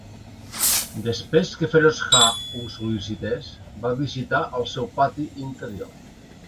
Després que Ferozshah ho sol·licités, va visitar el seu pati interior.